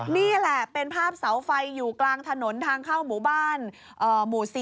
นี่แหละเป็นภาพเสาไฟอยู่กลางถนนทางเข้าหมู่บ้านหมู่๔